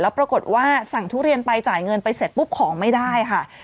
ปรากฏว่าสั่งทุเรียนไปจ่ายเงินไปเสร็จปุ๊บของไม่ได้ค่ะ